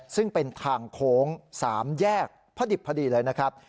ซึ่งเป็นทางโค้ง๓แยกพระดิบพอดีเลยนะครับ